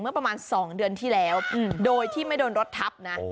เมื่อประมาณ๒เดือนที่แล้วโดยที่ไม่โดนรถทับนะ